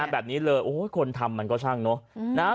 แบบนี้เลยโอ้โหคนทำมันก็ช่างเนอะ